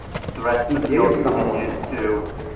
Iga-yas leɣrur.